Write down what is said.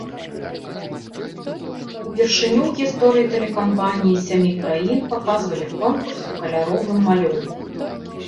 Упершыню ў гісторыі тэлекампаніі сямі краін паказвалі конкурс у каляровым малюнку.